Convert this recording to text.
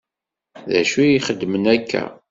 D acu ay xeddmen akka?